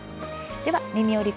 では「みみより！